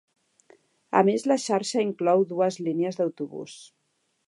A més la xarxa inclou dues línies d'autobús.